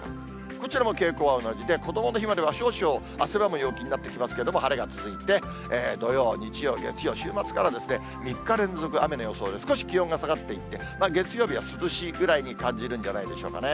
こちらも傾向は同じで、こどもの日までは少々、汗ばむ陽気になってきますけれども、晴れが続いて、土曜、日曜、月曜、週末から３日連続雨の予想で、少し気温が下がっていって、月曜日は涼しいぐらいに感じるんじゃないでしょうかね。